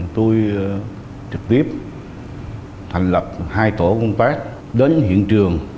tôi trực tiếp thành lập hai tổ công tác đến hiện trường